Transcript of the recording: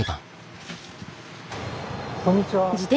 こんにちは。